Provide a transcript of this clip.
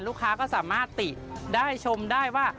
ลูกค้าก็สามารถติได้ชมได้ว่า